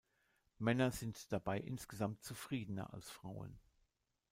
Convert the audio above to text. Männer sind dabei insgesamt zufriedener als Frauen.